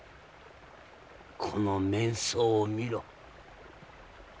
この面相を見ろ。